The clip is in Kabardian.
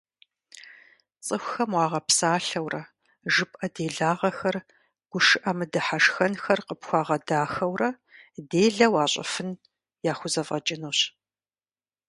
Цӏыхухэм уагъэпсалъэурэ, жыпӏэ делагъэхэр, гушыӏэ мыдыхьэшхэнхэр къыпхуагъэдахэурэ делэ уащӏыфын яхузэфӏэкӏынущ.